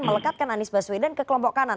melekatkan anies baswedan ke kelompok kanan